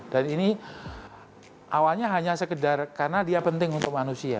dan ini awalnya hanya sekedar karena dia penting untuk manusia